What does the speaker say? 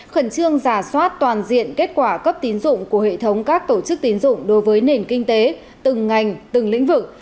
khẩn trương giả soát toàn diện kết quả cấp tín dụng của hệ thống các tổ chức tín dụng đối với nền kinh tế từng ngành từng lĩnh vực